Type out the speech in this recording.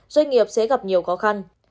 doanh nghiệp sẽ gặp nhiều khó khăn